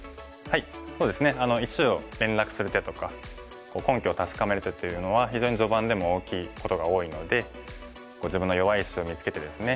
そうですね石を連絡する手とか根拠を確かめる手というのは非常に序盤でも大きいことが多いので自分の弱い石を見つけてですね